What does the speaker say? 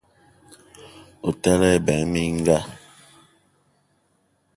O tala ebeng minga